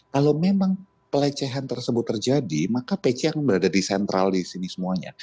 kalau memang pelecehan tersebut terjadi maka pc yang berada di sentral disini semuanya